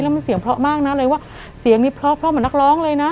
แล้วมันเสียงเพราะมากนะเลยว่าเสียงนี้เพราะเหมือนนักร้องเลยนะ